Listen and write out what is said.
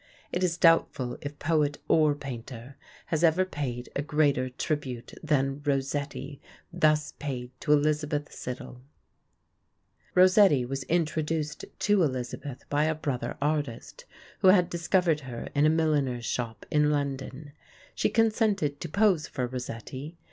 It is doubtful if poet or painter has ever paid a greater tribute than Rossetti thus paid to Elizabeth Siddal. [Illustration: ROSA TRIPLEX, BY ROSSETTI] Rossetti was introduced to Elizabeth by a brother artist, who had discovered her in a milliner's shop in London. She consented to pose for Rossetti.